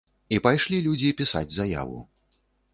І пайшлі людзі пісаць заяву.